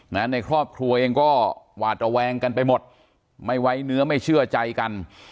ในครอบครัวเองก็หวาดระแวงกันไปหมดไม่ไว้เนื้อไม่เชื่อใจกัน